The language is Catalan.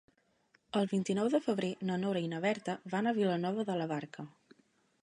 El vint-i-nou de febrer na Nora i na Berta van a Vilanova de la Barca.